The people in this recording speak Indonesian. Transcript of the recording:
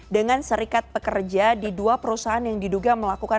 dengan serikat pekerja di dua perusahaan yang diduga melakukan